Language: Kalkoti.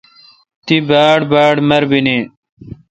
تی باڑباڑ مربینی